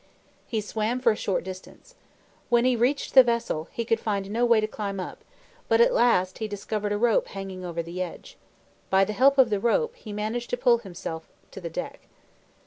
He swam for a short distance. When lie reached the vessel, he could find no way to climb up, but at last he discovered a rope hanging over the side. By the help of the rope, he managed to pull himself to the deck.